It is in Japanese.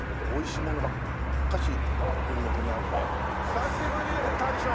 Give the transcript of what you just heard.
久しぶりですね大将。